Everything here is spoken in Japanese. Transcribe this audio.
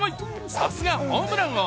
さすがホームラン王。